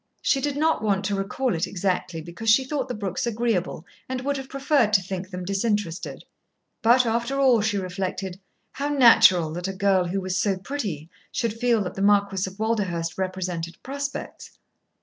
She did not want to recall it exactly, because she thought the Brookes agreeable and would have preferred to think them disinterested. But, after all, she reflected, how natural that a girl who was so pretty should feel that the Marquis of Walderhurst represented prospects.